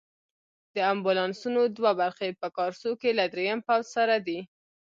د امبولانسونو دوه برخې په کارسو کې له دریم پوځ سره دي.